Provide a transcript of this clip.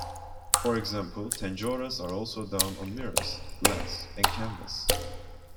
For example, tanjores are also done on mirrors, glass and canvas.